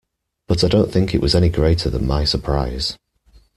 But I don't think it was any greater than my surprise.